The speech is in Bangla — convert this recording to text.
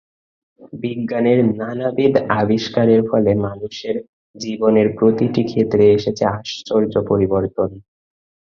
বিজ্ঞানের নানাবিধ আবিষ্কারের ফলে মানুষেড় জীবনের প্রতিটি ক্ষেত্রে এসেছে আশ্চর্য পরিবর্তন।